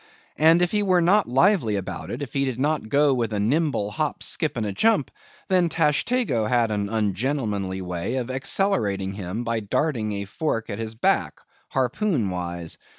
And if he were not lively about it, if he did not go with a nimble hop skip and jump, then Tashtego had an ungentlemanly way of accelerating him by darting a fork at his back, harpoon wise.